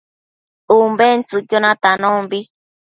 Umbentsëcquio natanombi